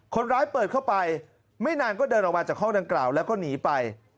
คนร้ายเปิดเข้าไปไม่นานก็เดินออกมาจากห้องดังกล่าวแล้วก็หนีไป